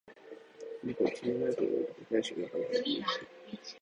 僕は君のあとを追いかけ、林の中に入っていった